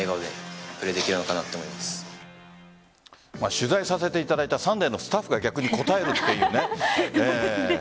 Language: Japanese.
取材させていただいた「サンデー」のスタッフが逆に答えるっていうね。